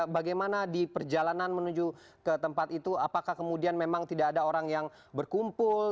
bagaimana di perjalanan menuju ke tempat itu apakah kemudian memang tidak ada orang yang berkumpul